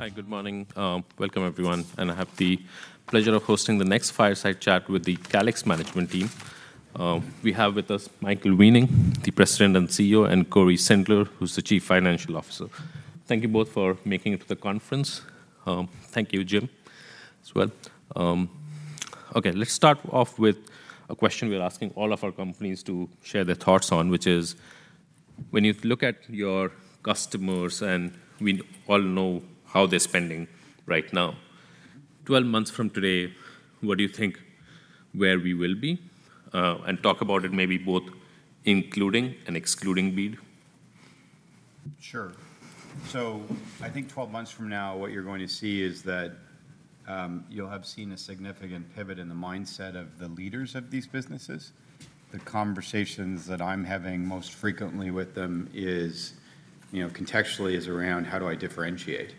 Hi, good morning. Welcome everyone, and I have the pleasure of hosting the next fireside chat with the Calix management team. We have with us Michael Weening, the President and CEO, and Cory Sindelar, who's the Chief Financial Officer. Thank you both for making it to the conference. Thank you, Jim, as well. Okay, let's start off with a question we're asking all of our companies to share their thoughts on, which is: when you look at your customers, and we all know how they're spending right now, 12 months from today, what do you think where we will be? And talk about it maybe both including and excluding BEAD. Sure. So I think 12 months from now, what you're going to see is that, you'll have seen a significant pivot in the mindset of the leaders of these businesses. The conversations that I'm having most frequently with them is, you know, contextually is around, "How do I differentiate?"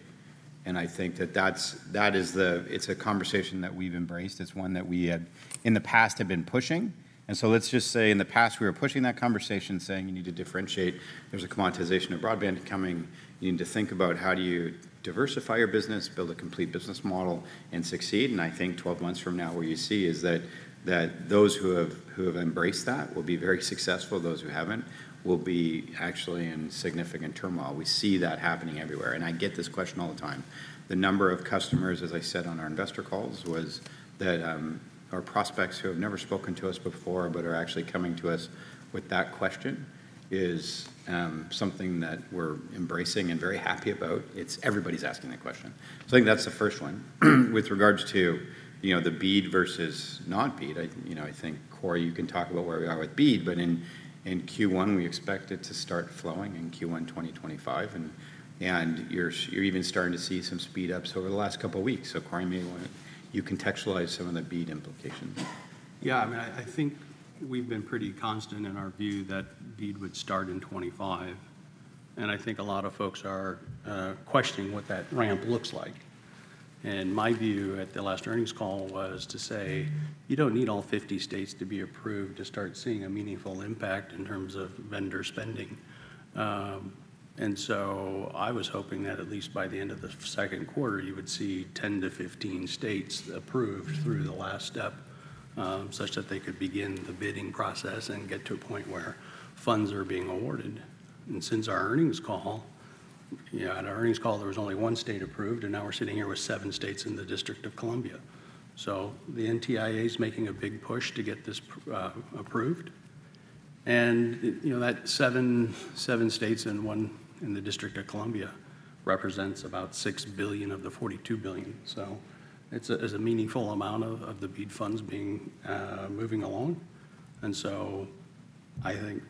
And I think that that's, that is the, it's a conversation that we've embraced. It's one that we had, in the past, have been pushing. And so let's just say, in the past, we were pushing that conversation, saying, "You need to differentiate. There's a commoditization of broadband coming. You need to think about how do you diversify your business, build a complete business model, and succeed?" And I think 12 months from now, what you see is that, that those who have, who have embraced that will be very successful. Those who haven't will be actually in significant turmoil. We see that happening everywhere, and I get this question all the time. The number of customers, as I said on our investor calls, was that are prospects who have never spoken to us before, but are actually coming to us with that question, is something that we're embracing and very happy about. It's everybody's asking that question. So I think that's the first one. With regards to, you know, the BEAD versus not BEAD, I, you know, I think, Cory, you can talk about where we are with BEAD, but in, in Q1, we expect it to start flowing in Q1 2025, and you're even starting to see some speed-ups over the last couple of weeks. So, Cory, you may wanna... You contextualize some of the BEAD implications. Yeah, I mean, I think we've been pretty constant in our view that BEAD would start in 2025, and I think a lot of folks are questioning what that ramp looks like. And my view at the last earnings call was to say: You don't need all 50 states to be approved to start seeing a meaningful impact in terms of vendor spending. And so I was hoping that at least by the end of the second quarter, you would see 10-15 states approved through the last step, such that they could begin the bidding process and get to a point where funds are being awarded. And since our earnings call, you know, at our earnings call, there was only 1 state approved, and now we're sitting here with seven states and the District of Columbia. So the NTIA is making a big push to get this approved, and, you know, that seven states and one in the District of Columbia represents about $6 billion of the $42 billion. So it's a meaningful amount of the BEAD funds being moving along. And so I think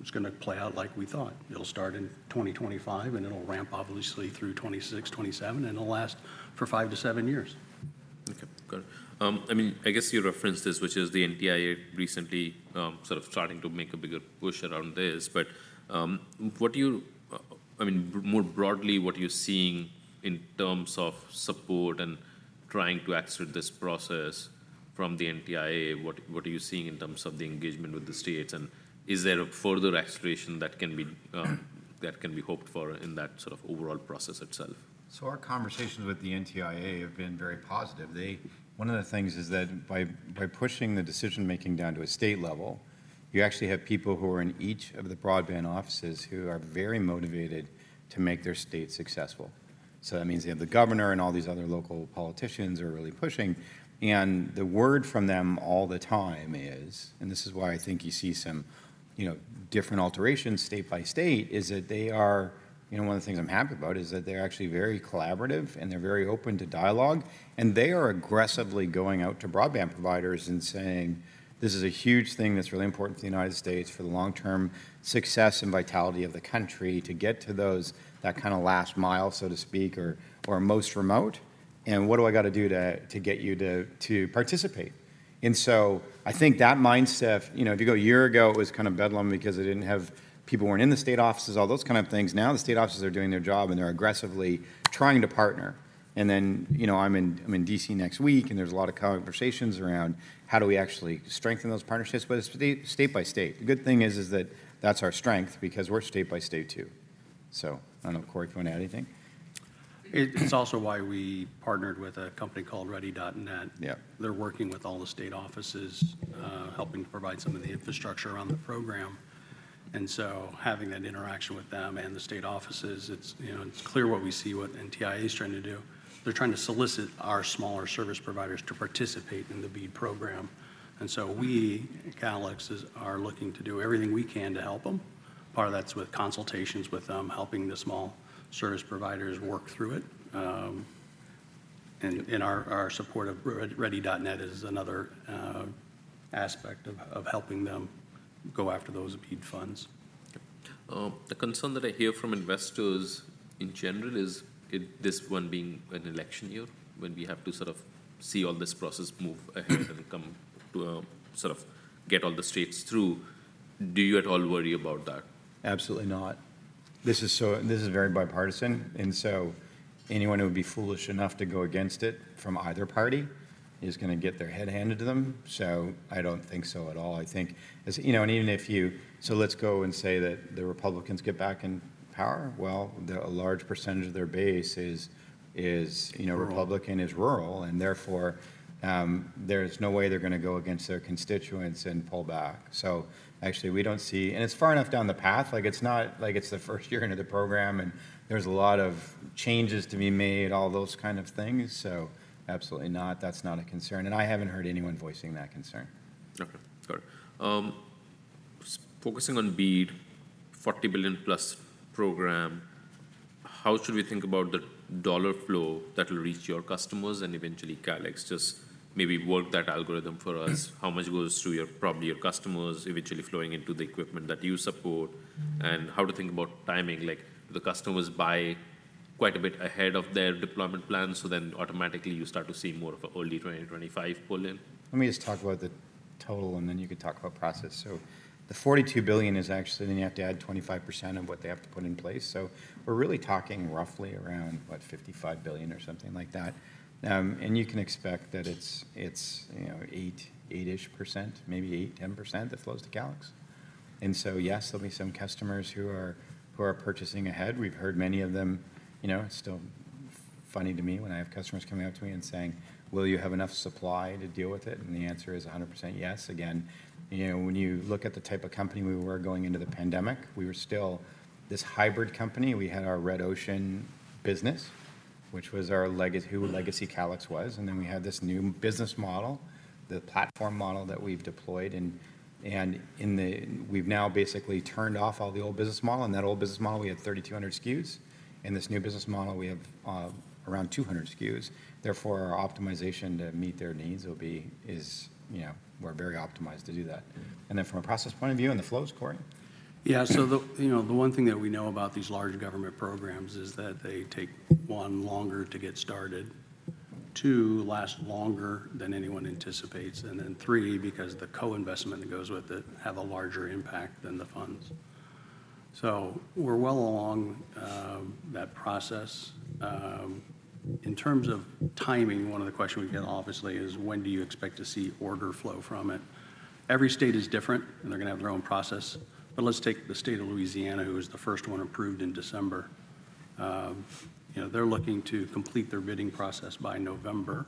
it's gonna play out like we thought. It'll start in 2025, and it'll ramp obviously through 2026, 2027, and it'll last for 5-7 years. Okay, got it. I mean, I guess you referenced this, which is the NTIA recently, sort of starting to make a bigger push around this, but, what are you... I mean, more broadly, what are you seeing in terms of support and trying to accelerate this process from the NTIA? What, what are you seeing in terms of the engagement with the states, and is there a further acceleration that can be, that can be hoped for in that sort of overall process itself? So our conversations with the NTIA have been very positive. They, one of the things is that by pushing the decision-making down to a state level, you actually have people who are in each of the broadband offices who are very motivated to make their state successful. So that means they have the governor and all these other local politicians are really pushing, and the word from them all the time is, and this is why I think you see some, you know, different alterations state by state, is that they are... You know, one of the things I'm happy about is that they're actually very collaborative, and they're very open to dialogue, and they are aggressively going out to broadband providers and saying, "This is a huge thing that's really important to the United States for the long-term success and vitality of the country, to get to those, that kind of last mile, so to speak, or, or most remote, and what do I gotta do to, to get you to, to participate?" And so I think that mindset, you know, if you go a year ago, it was kind of bedlam because they didn't have... People weren't in the state offices, all those kind of things. Now, the state offices are doing their job, and they're aggressively trying to partner. Then, you know, I'm in D.C. next week, and there's a lot of conversations around how do we actually strengthen those partnerships, but it's state by state. The good thing is that that's our strength because we're state by state, too. So I don't know, Cory, if you want to add anything? It's also why we partnered with a company called Ready.net. Yeah. They're working with all the state offices, helping to provide some of the infrastructure around the program. And so having that interaction with them and the state offices, you know, it's clear what we see what NTIA is trying to do. They're trying to solicit our smaller service providers to participate in the BEAD program, and so we, Calix, is, are looking to do everything we can to help them. Part of that's with consultations with them, helping the small service providers work through it, and our support of Ready.net is another aspect of helping them go after those BEAD funds. The concern that I hear from investors in general is, this one being an election year, when we have to sort of see all this process move ahead and come to a, sort of get all the states through, do you at all worry about that? Absolutely not. This is so, this is very bipartisan, and so anyone who would be foolish enough to go against it from either party is gonna get their head handed to them. So I don't think so at all. I think, as, you know, and even if you- so let's go and say that the Republicans get back in power. Well, a large percentage of their base is, you know- Rural... Republican, is rural, and therefore, there's no way they're gonna go against their constituents and pull back. So actually, we don't see... And it's far enough down the path, like, it's not like it's the first year into the program, and there's a lot of changes to be made, all those kind of things. So absolutely not. That's not a concern, and I haven't heard anyone voicing that concern. Okay, got it. Focusing on BEAD, $40 billion-plus program, how should we think about the dollar flow that will reach your customers and eventually Calix? Just maybe work that algorithm for us. How much goes through your, probably your customers, eventually flowing into the equipment that you support? Mm-hmm. How to think about timing, like, the customers buy quite a bit ahead of their deployment plan, so then automatically you start to see more of a early 2025 pull in? Let me just talk about the total, and then you can talk about process. So the $42 billion is actually, then you have to add 25% of what they have to put in place, so we're really talking roughly around, what, $55 billion or something like that. And you can expect that it's, you know, 8, 8-ish%, maybe 8-10%, that flows to Calix. And so, yes, there'll be some customers who are purchasing ahead. We've heard many of them... You know, it's still funny to me when I have customers coming up to me and saying, "Will you have enough supply to deal with it?" And the answer is 100% yes. Again, you know, when you look at the type of company we were going into the pandemic, we were still this hybrid company. We had our Red Ocean business, which was our legacy Calix was, and then we had this new business model, the platform model that we've deployed. And in the... We've now basically turned off all the old business model. In that old business model, we had 3,200 SKUs. In this new business model, we have around 200 SKUs. Therefore, our optimization to meet their needs will be, is, you know, we're very optimized to do that. Mm-hmm. And then from a process point of view on the flows, Cory? Yeah, so you know, the one thing that we know about these large government programs is that they take, 1, longer to get started, 2, last longer than anyone anticipates, and then 3, because the co-investment that goes with it have a larger impact than the funds. So we're well along that process. In terms of timing, one of the questions we get, obviously, is: When do you expect to see order flow from it? Every state is different, and they're gonna have their own process. But let's take the state of Louisiana, who was the first one approved in December. You know, they're looking to complete their bidding process by November.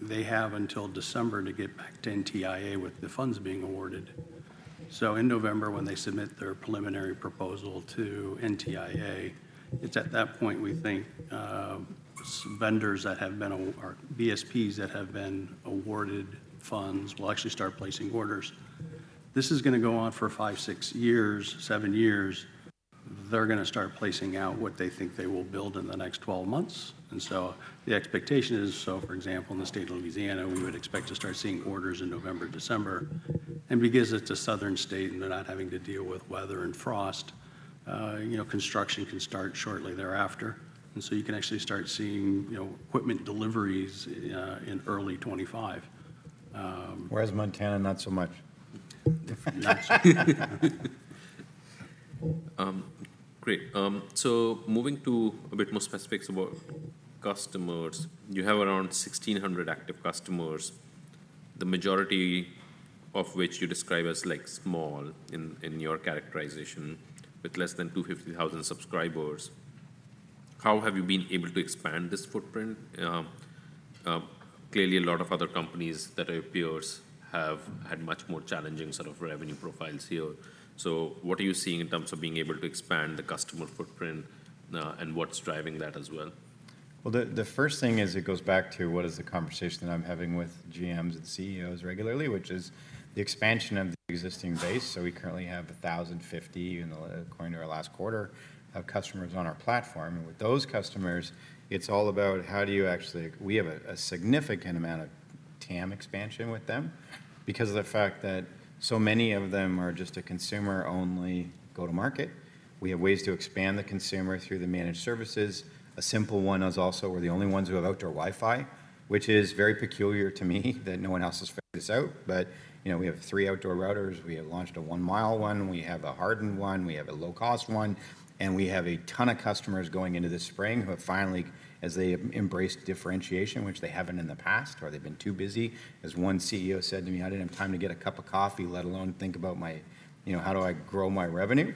They have until December to get back to NTIA with the funds being awarded. So in November, when they submit their preliminary proposal to NTIA, it's at that point we think, vendors that have been or BSPs that have been awarded funds will actually start placing orders. This is gonna go on for five, six years, seven years. They're gonna start placing out what they think they will build in the next 12 months, and so the expectation is, so for example, in the state of Louisiana- Mm-hmm.... we would expect to start seeing orders in November, December. Because it's a southern state, and they're not having to deal with weather and frost, you know, construction can start shortly thereafter. So you can actually start seeing, you know, equipment deliveries in early 2025. Whereas Montana, not so much. Yes. Great. So moving to a bit more specifics about customers. You have around 1,600 active customers, the majority of which you describe as, like, small in, in your characterization, with less than 250,000 subscribers. How have you been able to expand this footprint? Clearly, a lot of other companies that are peers have had much more challenging sort of revenue profiles here. So what are you seeing in terms of being able to expand the customer footprint, and what's driving that as well? Well, the first thing is it goes back to what is the conversation I'm having with GMs and CEOs regularly, which is the expansion of the existing base. So we currently have 1,050, according to our last quarter, customers on our platform. And with those customers, it's all about how do you actually... We have a significant amount of TAM expansion with them because of the fact that so many of them are just a consumer-only go-to-market. We have ways to expand the consumer through the managed services. A simple one is also we're the only ones who have outdoor Wi-Fi, which is very peculiar to me that no one else has figured this out. But, you know, we have three outdoor routers. We have launched a 1-mile one, we have a hardened one, we have a low-cost one, and we have a ton of customers going into this spring who have finally, as they have embraced differentiation, which they haven't in the past, or they've been too busy. As one CEO said to me, "I didn't have time to get a cup of coffee, let alone think about my, you know, how do I grow my revenue?"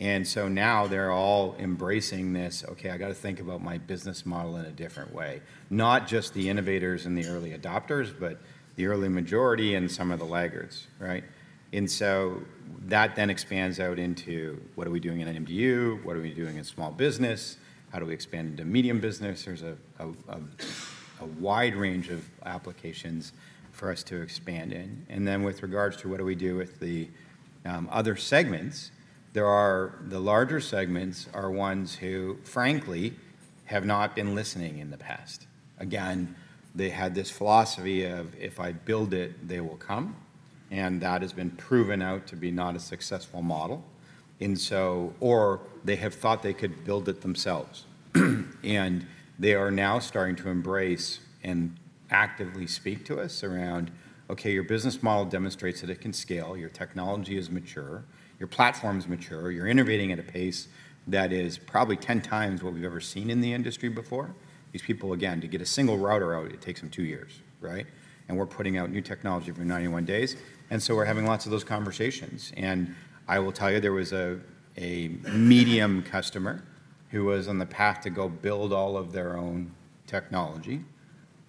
And so now they're all embracing this, "Okay, I've got to think about my business model in a different way." Not just the innovators and the early adopters, but the early majority and some of the laggards, right? And so that then expands out into, what are we doing in MDU? What are we doing in small business? How do we expand into medium business? There's a wide range of applications for us to expand in. And then with regards to what do we do with the other segments, there are the larger segments are ones who, frankly, have not been listening in the past. Again, they had this philosophy of, "If I build it, they will come," and that has been proven out to be not a successful model. And so or they have thought they could build it themselves. And they are now starting to embrace and actively speak to us around, "Okay, your business model demonstrates that it can scale, your technology is mature, your platform is mature, you're innovating at a pace that is probably ten times what we've ever seen in the industry before." These people, again, to get a single router out, it takes them two years, right? And we're putting out new technology every 91 days, and so we're having lots of those conversations. And I will tell you, there was a medium customer who was on the path to go build all of their own technology.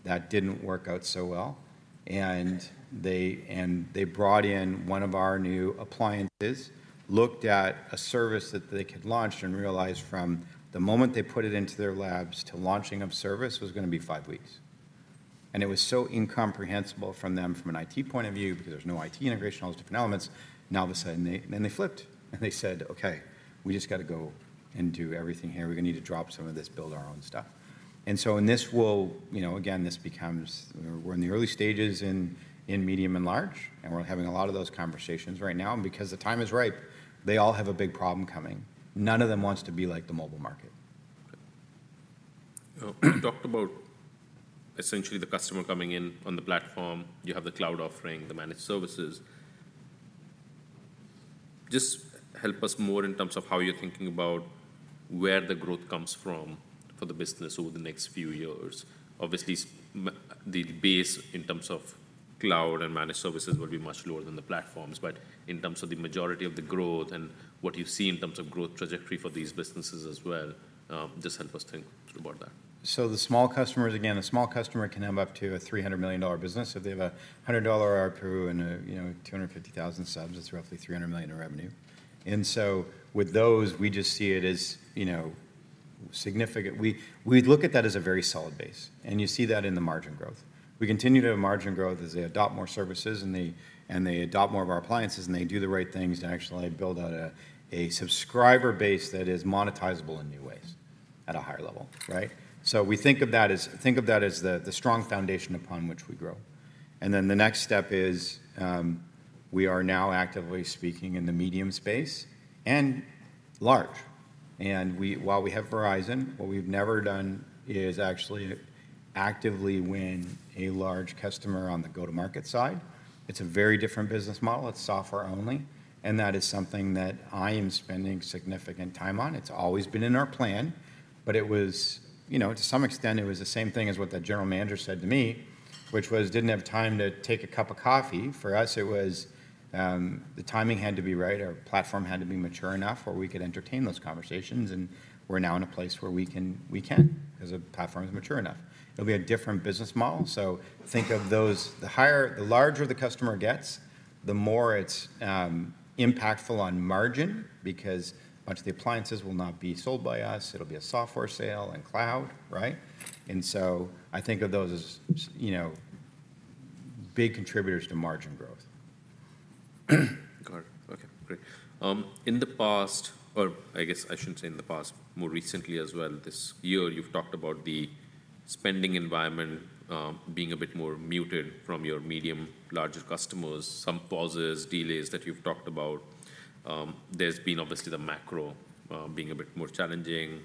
That didn't work out so well, and they brought in one of our new appliances, looked at a service that they could launch, and realized from the moment they put it into their labs to launching of service was gonna be 5 weeks. And it was so incomprehensible from them from an IT point of view, because there's no IT integration, all those different elements, and all of a sudden then they flipped, and they said, "Okay, we just gotta go and do everything here. We're gonna need to drop some of this, build our own stuff." And so, and this will, you know, again, this becomes... We're in the early stages in, in medium and large, and we're having a lot of those conversations right now. And because the time is ripe, they all have a big problem coming. None of them wants to be like the mobile market. You talked about essentially the customer coming in on the platform. You have the cloud offering, the managed services. Just help us more in terms of how you're thinking about where the growth comes from for the business over the next few years. Obviously, the base in terms of cloud and managed services will be much lower than the platforms, but in terms of the majority of the growth and what you see in terms of growth trajectory for these businesses as well, just help us think about that. So the small customers, again, a small customer can have up to a $300 million business. So if they have a $100 ARPU and a, you know, 250,000 subs, that's roughly $300 million in revenue. And so with those, we just see it as, you know, significant. We, we look at that as a very solid base, and you see that in the margin growth. We continue to have margin growth as they adopt more services, and they, and they adopt more of our appliances, and they do the right things to actually build out a, a subscriber base that is monetizable in new ways at a higher level, right? So we think of that as—think of that as the, the strong foundation upon which we grow. And then the next step is, we are now actively speaking in the medium space and large. And while we have Verizon, what we've never done is actually actively win a large customer on the go-to-market side. It's a very different business model. It's software only, and that is something that I am spending significant time on. It's always been in our plan, but it was, you know, to some extent, it was the same thing as what the general manager said to me, which was, "Didn't have time to take a cup of coffee." For us, it was, the timing had to be right, our platform had to be mature enough where we could entertain those conversations, and we're now in a place where we can, we can, 'cause the platform is mature enough. It'll be a different business model, so think of those—the higher, the larger the customer gets, the more it's impactful on margin because much of the appliances will not be sold by us. It'll be a software sale and cloud, right? And so I think of those as, you know, big contributors to margin growth. Got it. Okay, great. In the past, or I guess I shouldn't say in the past, more recently as well, this year, you've talked about the spending environment being a bit more muted from your medium, larger customers, some pauses, delays that you've talked about. There's been obviously the macro being a bit more challenging,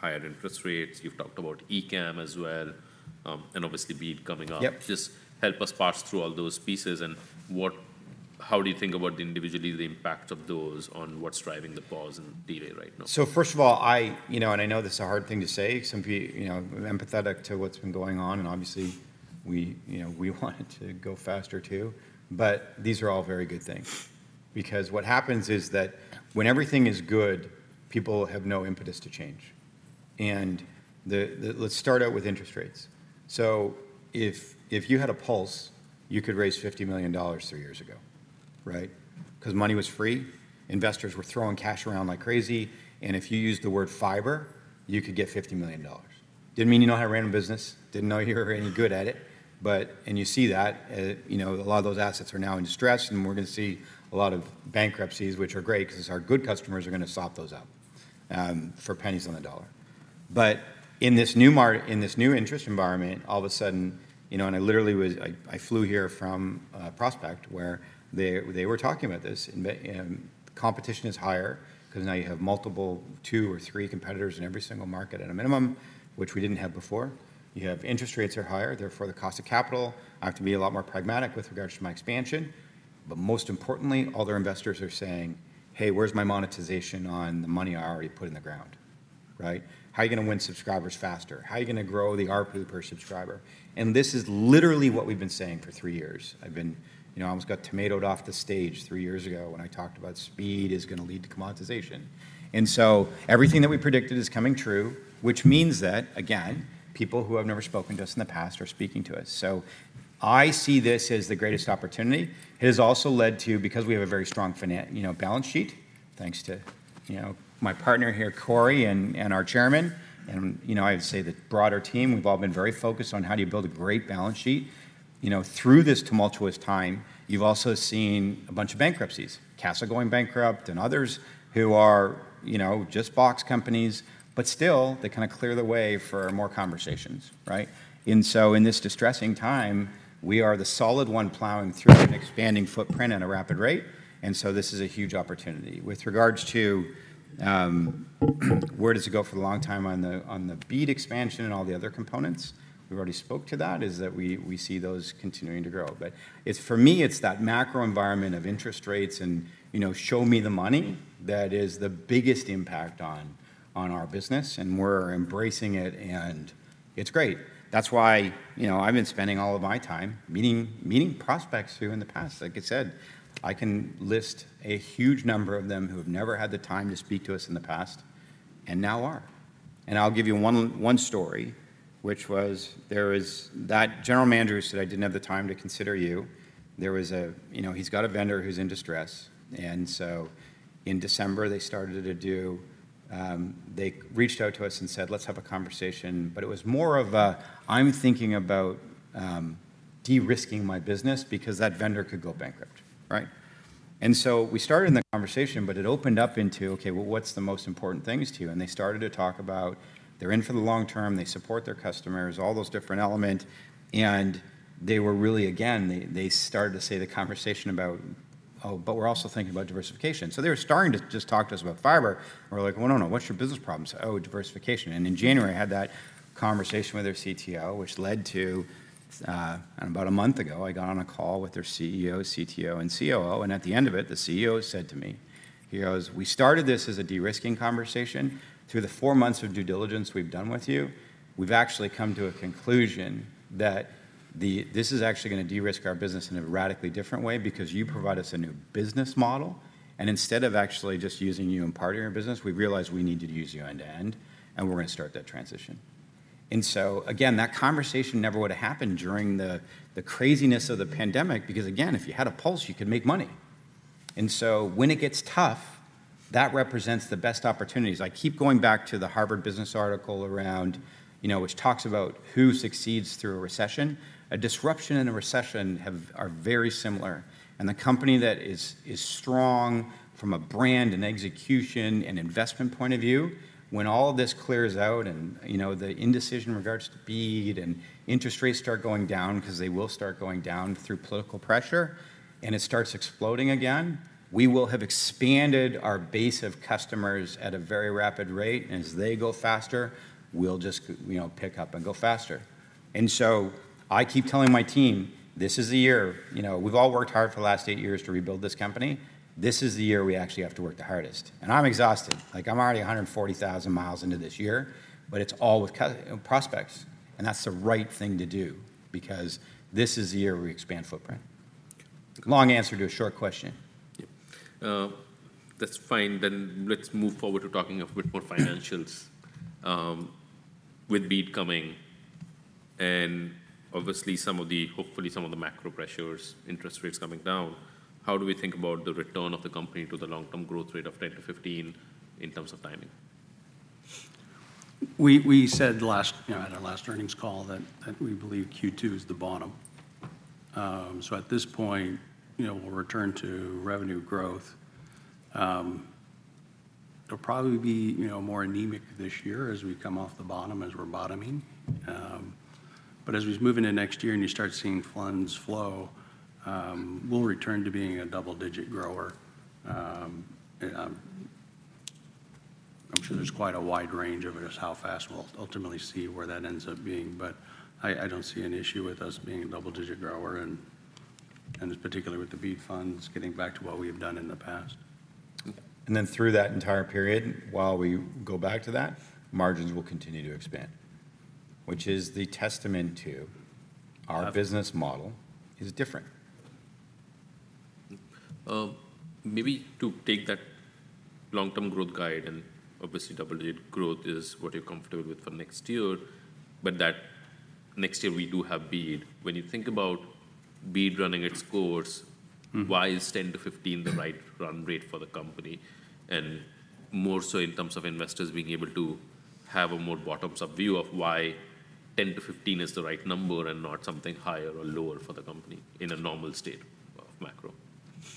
higher interest rates. You've talked about A-CAM as well, and obviously, BEAD coming up. Yep. Just help us parse through all those pieces, and how do you think about individually the impact of those on what's driving the pause and delay right now? So first of all, you know, and I know this is a hard thing to say. Some people, you know, I'm empathetic to what's been going on, and obviously, we, you know, we want it to go faster too, but these are all very good things. Because what happens is that when everything is good, people have no impetus to change. And the, let's start out with interest rates. So if you had a pulse, you could raise $50 million three years ago, right? 'Cause money was free, investors were throwing cash around like crazy, and if you used the word fiber, you could get $50 million. Didn't mean you know how to run a business, didn't know you were any good at it, but... And you see that, you know, a lot of those assets are now in distress, and we're gonna see a lot of bankruptcies, which are great 'cause our good customers are gonna snap those up, for pennies on the dollar. But in this new interest environment, all of a sudden, you know, and I literally flew here from Prospect, where they, they were talking about this. Competition is higher 'cause now you have multiple, two or three competitors in every single market at a minimum, which we didn't have before. You have interest rates are higher, therefore, the cost of capital. I have to be a lot more pragmatic with regards to my expansion. But most importantly, all their investors are saying, "Hey, where's my monetization on the money I already put in the ground," right? How are you gonna win subscribers faster? How are you gonna grow the ARPU per subscriber?" And this is literally what we've been saying for three years. I've been- you know, I almost got tomatoed off the stage three years ago when I talked about speed is gonna lead to monetization. And so everything that we predicted is coming true, which means that, again, people who have never spoken to us in the past are speaking to us. So I see this as the greatest opportunity. It has also led to, because we have a very strong financial- you know, balance sheet, thanks to, you know, my partner here, Cory, and, and our chairman, and, you know, I'd say the broader team, we've all been very focused on how do you build a great balance sheet. You know, through this tumultuous time, you've also seen a bunch of bankruptcies. Casa going bankrupt and others who are, you know, just box companies, but still, they kind of clear the way for more conversations, right? And so in this distressing time, we are the solid one plowing through and expanding footprint at a rapid rate, and so this is a huge opportunity. With regards to where does it go for the long time on the BEAD expansion and all the other components? We've already spoke to that, is that we see those continuing to grow. But it's for me, it's that macro environment of interest rates and, you know, show me the money, that is the biggest impact on our business, and we're embracing it. It's great. That's why, you know, I've been spending all of my time meeting prospects who in the past, like I said, I can list a huge number of them who have never had the time to speak to us in the past, and now are. And I'll give you one story, which was that general manager who said, "I didn't have the time to consider you." There was a... You know, he's got a vendor who's in distress, and so in December they started to do, they reached out to us and said, "Let's have a conversation." But it was more of a, "I'm thinking about de-risking my business because that vendor could go bankrupt," right? And so we started in the conversation, but it opened up into, "Okay, well, what's the most important things to you?" And they started to talk about they're in for the long term, they support their customers, all those different element. And they were really, again, they started to say the conversation about, "Oh, but we're also thinking about diversification." So they were starting to just talk to us about fiber. We're like: "Well, no, no, what's your business problems?" "Oh, diversification." And in January, I had that conversation with their CTO, which led to... And about a month ago, I got on a call with their CEO, CTO, and COO, and at the end of it, the CEO said to me, he goes, "We started this as a de-risking conversation. Through the 4 months of due diligence we've done with you, we've actually come to a conclusion that this is actually gonna de-risk our business in a radically different way because you provide us a new business model, and instead of actually just using you in part of your business, we've realized we need to use you end-to-end, and we're gonna start that transition." And so again, that conversation never would've happened during the craziness of the pandemic, because again, if you had a pulse, you could make money. And so when it gets tough, that represents the best opportunities. I keep going back to the Harvard Business article around, you know, which talks about who succeeds through a recession. A disruption and a recession are very similar, and the company that is strong from a brand, and execution, and investment point of view, when all of this clears out and, you know, the indecision in regards to BEAD and interest rates start going down, 'cause they will start going down through political pressure, and it starts exploding again, we will have expanded our base of customers at a very rapid rate, and as they go faster, we'll just go, you know, pick up and go faster. And so I keep telling my team, "This is the year." You know, we've all worked hard for the last eight years to rebuild this company. This is the year we actually have to work the hardest. And I'm exhausted. Like, I'm already 140,000 miles into this year, but it's all with prospects, and that's the right thing to do because this is the year we expand footprint. Long answer to a short question. Yeah. That's fine. Then let's move forward to talking a bit more financials. With BEAD coming and obviously some of the, hopefully, some of the macro pressures, interest rates coming down, how do we think about the return of the company to the long-term growth rate of 10-15 in terms of timing? We said last, you know, at our last earnings call, that we believe Q2 is the bottom. So at this point, you know, we'll return to revenue growth. It'll probably be, you know, more anemic this year as we come off the bottom, as we're bottoming. But as we move into next year and you start seeing funds flow, we'll return to being a double-digit grower. I'm sure there's quite a wide range of it, is how fast we'll ultimately see where that ends up being, but I don't see an issue with us being a double-digit grower and particularly with the BEAD funds getting back to what we have done in the past. And then, through that entire period, while we go back to that, margins will continue to expand, which is the testament to our business model is different. Maybe to take that long-term growth guide, and obviously, double-digit growth is what you're comfortable with for next year, but that next year we do have BEAD. When you think about BEAD running its course- Mm... why is 10-15 the right run rate for the company? And more so in terms of investors being able to have a more bottoms-up view of why 10-15 is the right number and not something higher or lower for the company in a normal state of macro.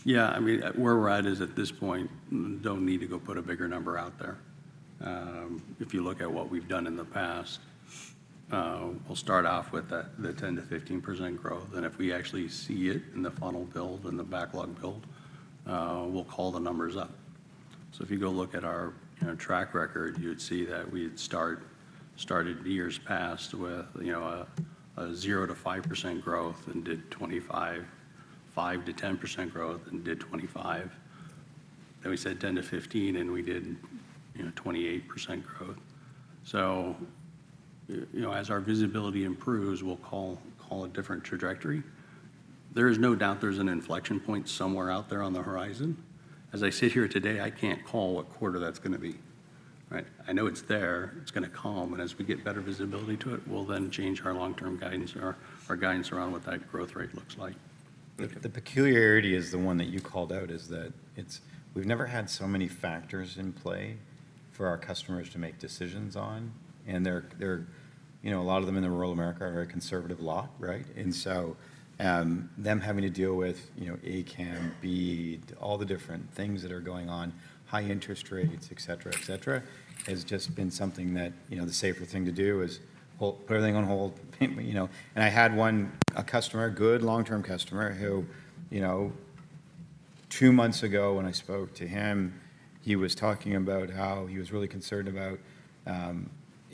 Yeah, I mean, where we're at is, at this point, don't need to go put a bigger number out there. If you look at what we've done in the past, we'll start off with the 10%-15% growth, and if we actually see it in the funnel build and the backlog build, we'll call the numbers up. So if you go look at our, you know, track record, you'd see that we'd started years past with, you know, a 0%-5% growth and did 25, 5%-10% growth and did 25. Then we said 10%-15%, and we did, you know, 28% growth. So, you know, as our visibility improves, we'll call a different trajectory. There is no doubt there's an inflection point somewhere out there on the horizon. As I sit here today, I can't call what quarter that's gonna be, right? I know it's there, it's gonna come, and as we get better visibility to it, we'll then change our long-term guidance or our guidance around what that growth rate looks like. The peculiarity is the one that you called out, is that it's, we've never had so many factors in play for our customers to make decisions on, and they're, they're. You know, a lot of them in rural America are a very conservative lot, right? And so, them having to deal with, you know, A-CAM, BEAD, all the different things that are going on, high interest rates, et cetera, et cetera, has just been something that, you know, the safer thing to do is put everything on hold, you know. And I had one, a customer, a good long-term customer, who, you know, two months ago, when I spoke to him, he was talking about how he was really concerned about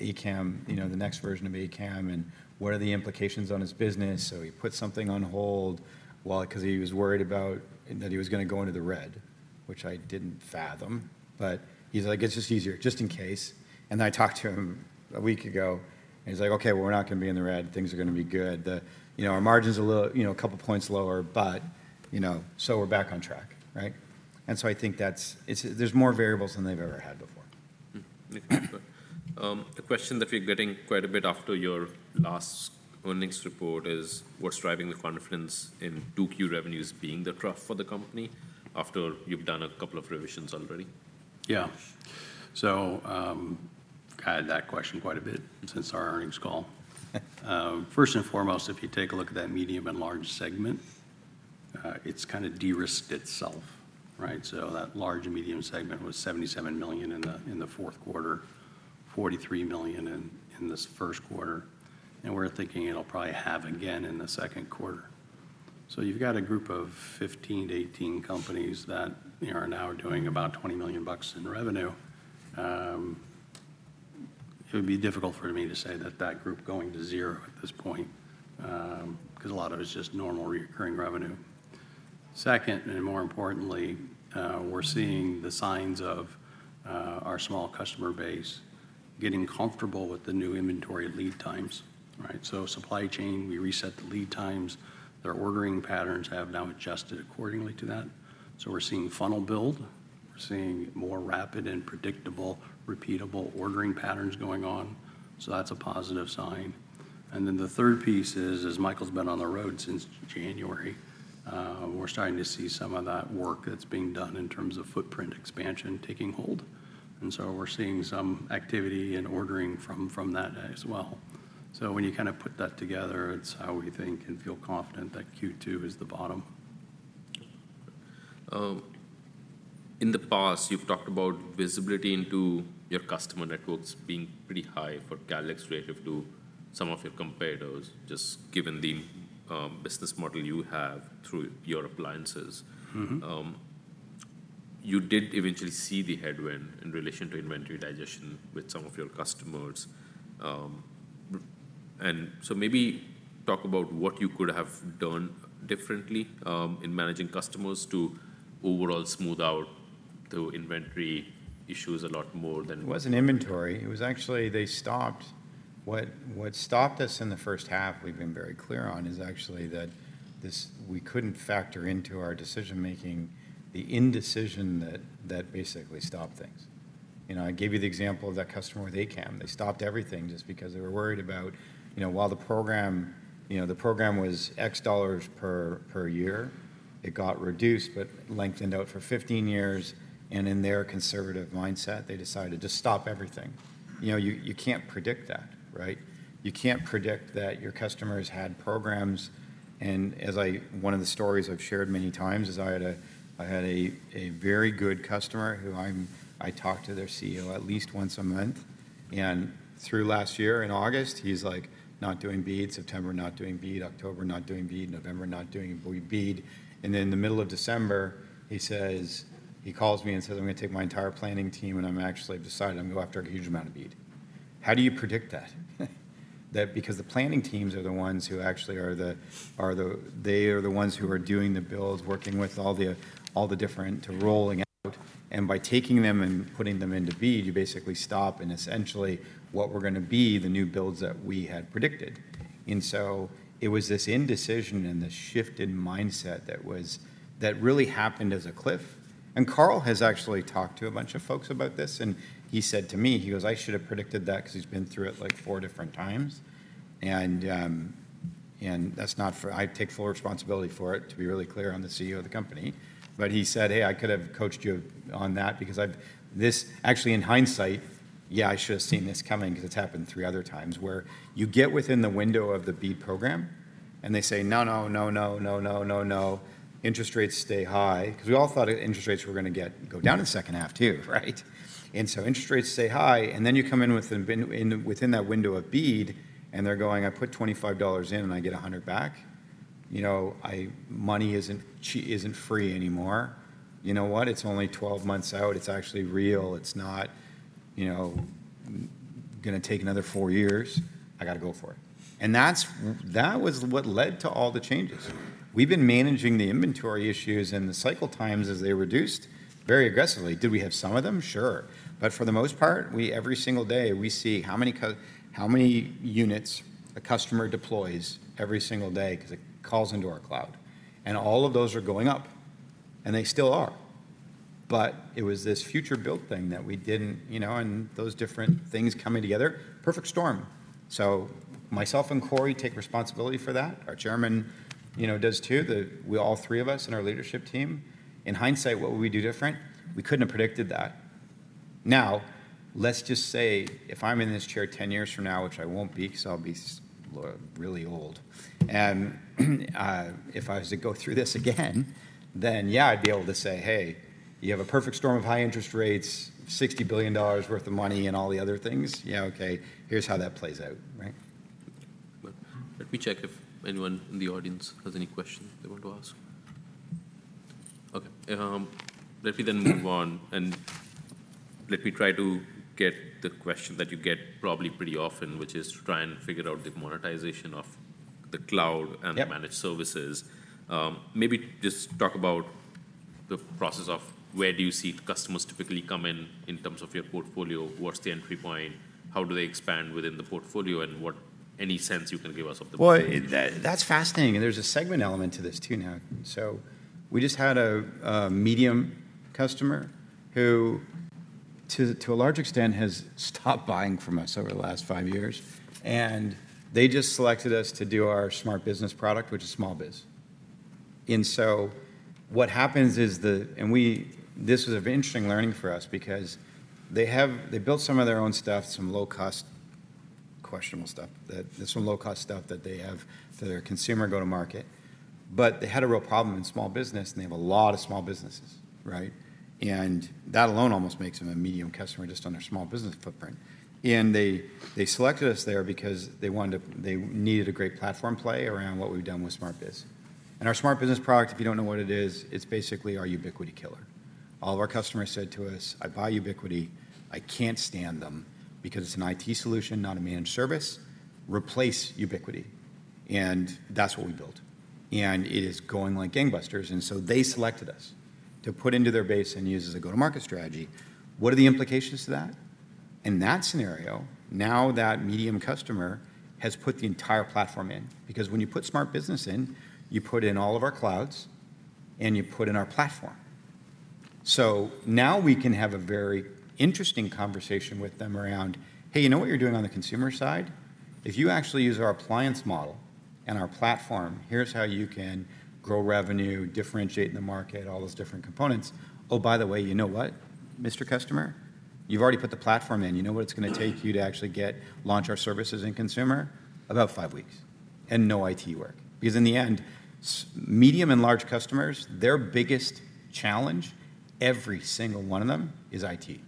A-CAM, you know, the next version of A-CAM. What are the implications on his business? So he put something on hold while—'cause he was worried about, that he was gonna go into the red, which I didn't fathom, but he's like: "It's just easier, just in case." And I talked to him a week ago, and he's like: "Okay, well, we're not gonna be in the red. Things are gonna be good. The, you know, our margin's a little, you know, a couple points lower, but, you know, so we're back on track," right? And so I think that's—it's, there's more variables than they've ever had before. The question that we're getting quite a bit after your last earnings report is, what's driving the confidence in 2Q revenues being the trough for the company after you've done a couple of revisions already? Yeah. So, I've had that question quite a bit since our earnings call. First and foremost, if you take a look at that medium and large segment, it's kind of de-risked itself, right? So that large and medium segment was $77 million in the fourth quarter, $43 million in this first quarter, and we're thinking it'll probably halve again in the second quarter. So you've got a group of 15-18 companies that, you know, are now doing about $20 million in revenue. It would be difficult for me to say that that group going to zero at this point, 'cause a lot of it's just normal recurring revenue. Second, and more importantly, we're seeing the signs of our small customer base getting comfortable with the new inventory lead times, right? So supply chain, we reset the lead times. Their ordering patterns have now adjusted accordingly to that, so we're seeing funnel build. We're seeing more rapid and predictable, repeatable ordering patterns going on, so that's a positive sign. And then the third piece is, as Michael's been on the road since January, we're starting to see some of that work that's being done in terms of footprint expansion taking hold, and so we're seeing some activity and ordering from, from that as well. So when you kind of put that together, it's how we think and feel confident that Q2 is the bottom. In the past, you've talked about visibility into your customer networks being pretty high for Calix relative to some of your competitors, just given the business model you have through your appliances. Mm-hmm. You did eventually see the headwind in relation to inventory digestion with some of your customers. And so maybe talk about what you could have done differently in managing customers to overall smooth out the inventory issues a lot more than- It wasn't inventory. It was actually they stopped. What stopped us in the first half, we've been very clear on, is actually that this- we couldn't factor into our decision-making the indecision that basically stopped things. You know, I gave you the example of that customer with A-CAM. They stopped everything just because they were worried about, you know, while the program, you know, the program was $X per year, it got reduced but lengthened out for 15 years, and in their conservative mindset, they decided to stop everything. You know, you can't predict that, right? You can't predict that your customers had programs, and as one of the stories I've shared many times is I had a very good customer who I talk to their CEO at least once a month, and through last year in August, he's, like, not doing BEAD, September, not doing BEAD, October, not doing BEAD, November, not doing BEAD. And then in the middle of December, he says, he calls me and says: "I'm gonna take my entire planning team, and I'm actually deciding I'm gonna go after a huge amount of BEAD." How do you predict that? That's because the planning teams are the ones who actually are the ones who are doing the bills, working with all the different to rolling out, and by taking them and putting them into BEAD, you basically stop and essentially what we're gonna be the new builds that we had predicted. And so it was this indecision and this shift in mindset that really happened as a cliff. And Carl has actually talked to a bunch of folks about this, and he said to me, he goes: "I should have predicted that," 'cause he's been through it, like, four different times. And, and that's not fair. I take full responsibility for it, to be really clear, I'm the CEO of the company. But he said, "Hey, I could have coached you on that because I've... This, actually, in hindsight, yeah, I should have seen this coming 'cause it's happened three other times, where you get within the window of the BEAD program, and they say, "No, no, no, no, no, no, no, no. Interest rates stay high." 'Cause we all thought interest rates were gonna go down in the second half, too, right? And so interest rates stay high, and then you come in within the window of BEAD, and they're going: "I put $25 in, and I get $100 back? You know, I... Money isn't free anymore. You know what? It's only 12 months out. It's actually real. It's not, you know, gonna take another four years. I gotta go for it." And that's, that was what led to all the changes. We've been managing the inventory issues and the cycle times as they reduced very aggressively. Did we have some of them? Sure. But for the most part, we, every single day, we see how many units a customer deploys every single day, 'cause it calls into our cloud, and all of those are going up, and they still are. But it was this future build thing that we didn't, you know, and those different things coming together, perfect storm. So myself and Cory take responsibility for that. Our chairman, you know, does, too, we, all three of us in our leadership team. In hindsight, what would we do different? We couldn't have predicted that. Now, let's just say if I'm in this chair 10 years from now, which I won't be, 'cause I'll be really old, and if I was to go through this again, then, yeah, I'd be able to say, "Hey, you have a perfect storm of high interest rates, $60 billion worth of money, and all the other things. Yeah, okay, here's how that plays out," right? Well, let me check if anyone in the audience has any questions they want to ask.... Okay, let me then move on, and let me try to get the question that you get probably pretty often, which is to try and figure out the monetization of the cloud- Yep -and the managed services. Maybe just talk about the process of where do you see customers typically come in, in terms of your portfolio? What's the entry point? How do they expand within the portfolio, and what-- any sense you can give us of the- Well, that, that's fascinating, and there's a segment element to this too now. So we just had a medium customer who, to a large extent, has stopped buying from us over the last five years, and they just selected us to do our SmartBiz product, which is small biz. And so what happens is... And we—this was of interesting learning for us because they have—they built some of their own stuff, some low-cost, questionable stuff, that some low-cost stuff that they have for their consumer go-to-market. But they had a real problem in small business, and they have a lot of small businesses, right? And that alone almost makes them a medium customer just on their small business footprint. And they selected us there because they wanted to—they needed a great platform play around what we've done with SmartBiz. Our SmartBiz product, if you don't know what it is, it's basically our Ubiquiti killer. All of our customers said to us, "I buy Ubiquiti. I can't stand them because it's an IT solution, not a managed service. Replace Ubiquiti." And that's what we built, and it is going like gangbusters. And so they selected us to put into their base and use as a go-to-market strategy. What are the implications to that? In that scenario, now that medium customer has put the entire platform in, because when you put SmartBiz in, you put in all of our clouds, and you put in our platform. So now we can have a very interesting conversation with them around, "Hey, you know what you're doing on the consumer side? If you actually use our appliance model and our platform, here's how you can grow revenue, differentiate in the market, all those different components. Oh, by the way, you know what, Mr. Customer? You've already put the platform in. You know what it's gonna take you to actually get, launch our services in consumer? About five weeks, and no IT work. Because in the end, medium and large customers, their biggest challenge, every single one of them, is IT.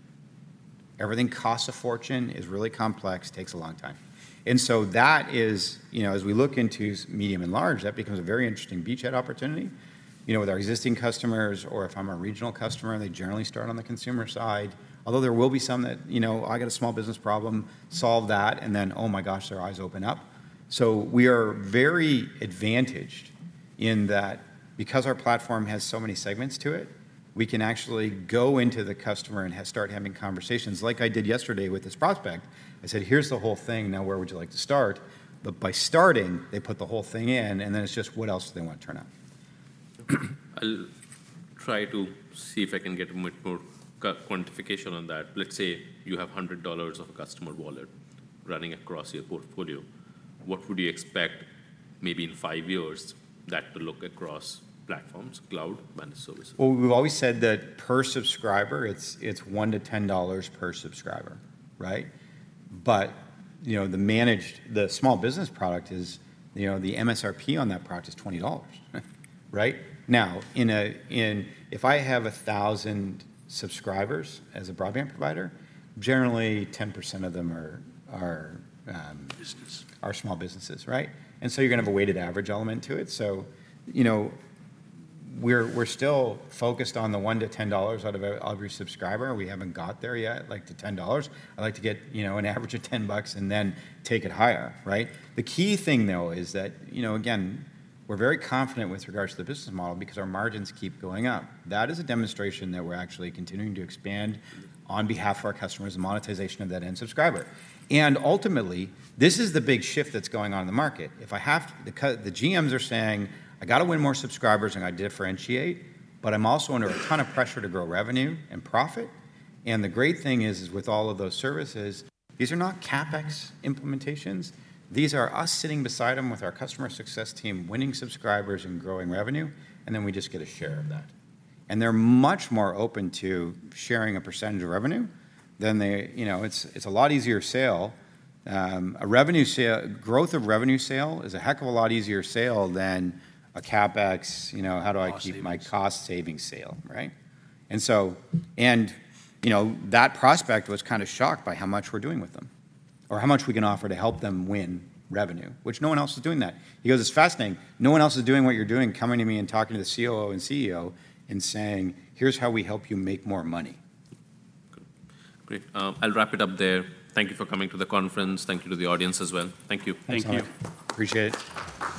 Everything costs a fortune, is really complex, takes a long time. And so that is, you know, as we look into medium and large, that becomes a very interesting beachhead opportunity. You know, with our existing customers, or if I'm a regional customer, they generally start on the consumer side, although there will be some that, you know, I've got a small business problem, solve that, and then, oh my gosh, their eyes open up. So we are very advantaged in that because our platform has so many segments to it, we can actually go into the customer and have, start having conversations, like I did yesterday with this prospect. I said, "Here's the whole thing. Now, where would you like to start?" But by starting, they put the whole thing in, and then it's just what else do they want to turn on? I'll try to see if I can get much more quantification on that. Let's say you have $100 of a customer wallet running across your portfolio. What would you expect, maybe in 5 years, that to look across platforms, cloud, managed services? Well, we've always said that per subscriber, it's $1-$10 per subscriber, right? But, you know, the managed, the small business product is, you know, the MSRP on that product is $20, right? Now, if I have 1,000 subscribers as a broadband provider, generally, 10% of them are Business... are small businesses, right? And so you're gonna have a weighted average element to it. So, you know, we're still focused on the $1-$10 out of each of your subscriber. We haven't got there yet, like to $10. I'd like to get, you know, an average of $10 and then take it higher, right? The key thing, though, is that, you know, again, we're very confident with regards to the business model because our margins keep going up. That is a demonstration that we're actually continuing to expand on behalf of our customers, monetization of that end subscriber. And ultimately, this is the big shift that's going on in the market. If I have to, because the GMs are saying, "I got to win more subscribers, and I differentiate, but I'm also under a ton of pressure to grow revenue and profit." And the great thing is, with all of those services, these are not CapEx implementations. These are us sitting beside them with our customer success team, winning subscribers and growing revenue, and then we just get a share of that. And they're much more open to sharing a percentage of revenue than they... You know, it's a lot easier sale. A revenue sale, growth of revenue sale is a heck of a lot easier sale than a CapEx, you know, how do I keep- Cost savings.... my cost savings sale, right? And so, and, you know, that prospect was kind of shocked by how much we're doing with them, or how much we can offer to help them win revenue, which no one else is doing that. He goes, "It's fascinating. No one else is doing what you're doing, coming to me and talking to the COO and CEO and saying, 'Here's how we help you make more money.' Great. I'll wrap it up there. Thank you for coming to the conference. Thank you to the audience as well. Thank you. Thanks a lot. Appreciate it.